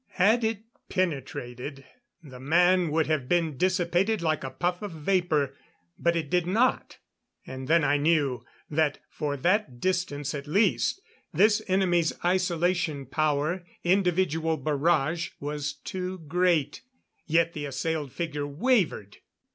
Had it penetrated, the man would have been dissipated like a puff of vapor. But it did not; and then I knew that for that distance at least, this enemy's isolation power individual barrage was too great. Yet the assailed figure wavered!